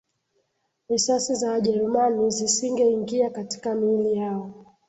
Risasi za Wajerumani zisingeingia katika miili yao